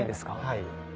はい。